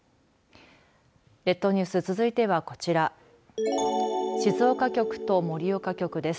列島ニュース続いてはこちら静岡局と盛岡局です。